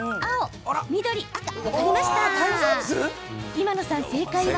今野さん、正解は。